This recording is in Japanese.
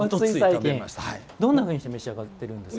どんなふうにして召し上がるんですか。